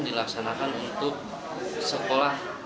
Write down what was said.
dilaksanakan untuk sekolah